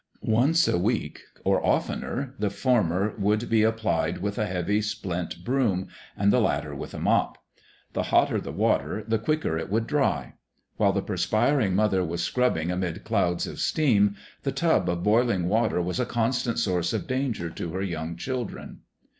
Once a week, or oftener, the former would be applied with a heavy splint broom, and the latter with a mop. The hotter the water the quicker it would dry. While the perspiring mother was scrubbing amid clouds of steam, the tub of boiling water was a constant source of danger to her young children.